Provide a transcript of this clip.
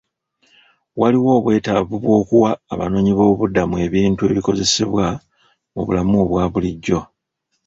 Waliwo obwetaavu bw'okuwa abanoonyiboobudamu ebintu ebikozesebwa mu bulamu obwa bulijjo.